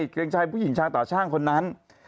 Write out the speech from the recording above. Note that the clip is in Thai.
เกรงชัยผู้หญิงชายต่อช่างคนนั้น